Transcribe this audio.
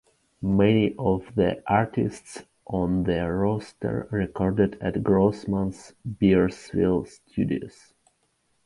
Many of the artists on the roster recorded at Grossman's Bearsville Studios.